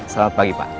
selamat pagi pa